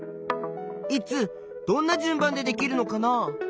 いつどんな順番でできるのかな？